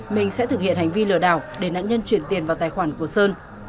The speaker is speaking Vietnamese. minh sẽ thực hiện hành vi lừa đảo để nạn nhân chuyển tiền vào tài khoản của sơn